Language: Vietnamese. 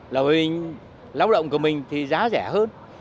là bởi vì lao động của mình thì giá rẻ hơn